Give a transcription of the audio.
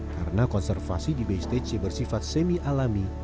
karena konservasi di bstc bersifat semi alami